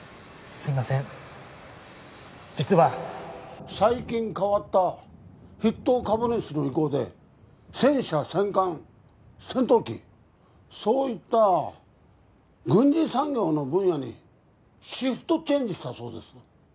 すいません実は最近代わった筆頭株主の意向で戦車戦艦戦闘機そういった軍需産業の分野にシフトチェンジしたそうです